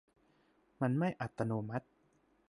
มันไม่อัตโนมัติ